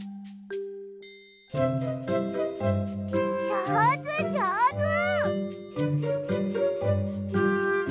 じょうずじょうず！